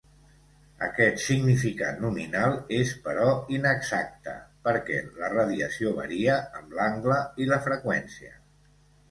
Aquest significat nominal és però inexacte perquè la radiació varia amb l'angle i la freqüència.